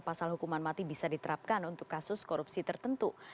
pasal hukuman mati bisa diterapkan untuk kasus korupsi tertentu